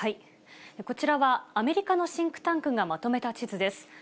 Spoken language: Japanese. こちらは、アメリカのシンクタンクがまとめた地図です。